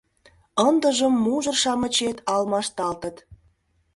Ындыжым мужыр-шамычет алмашталтыт.